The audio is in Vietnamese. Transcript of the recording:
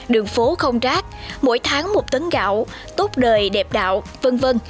đường phố không rác mỗi tháng một tấn gạo tốt đời đẹp đạo v v